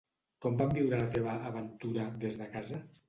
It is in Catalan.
Com van viure la teva "aventura" des de casa?